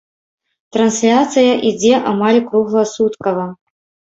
Трансляцыя ідзе амаль кругласуткава.